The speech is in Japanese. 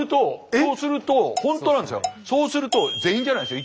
そうすると全員じゃないですよ